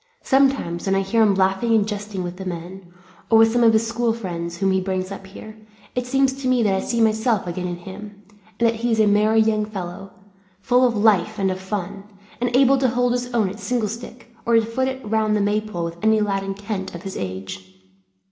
Sometimes, when I hear him laughing and jesting with the men, or with some of his school friends whom he brings up here, it seems to me that I see myself again in him; and that he is a merry young fellow, full of life and fun, and able to hold his own at singlestick, or to foot it round the maypole with any lad in Kent of his age.